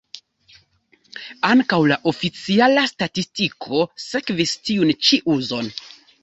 Ankaŭ la oficiala statistiko sekvis tiun ĉi uzon.